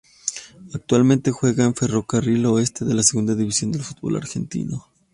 Actualmente juega en Ferrocarril Oeste de la Segunda División del Fútbol Argentino.